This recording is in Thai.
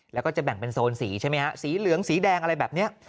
แล้วก็จะแบ่งเป็นโซนสีใช่ไหมฮะสีเหลืองสีแดงอะไรแบบนี้